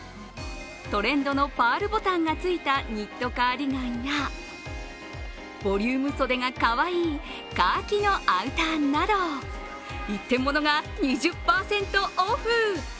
トレンドのパールボタンがついたニットカーディガンやボリューム袖でかわいいカーキのアウターなど一点ものが２０％オフ。